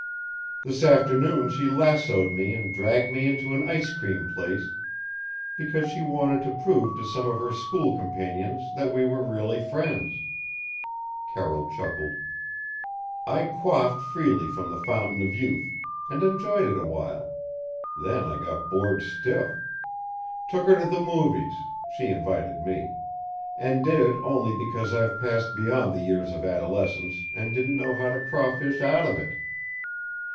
This afternoon she lassoed me and dragged me into an ice cream place because she wanted to prove to some of her school companions that we were really friends." Carroll chuckled. "I quaffed freely from the fountain of youth and enjoyed it awhile. Then I got bored stiff. Took her to the movies she invited me and did it only because I've passed beyond the years of adolescence and didn't know how to crawfish out of it.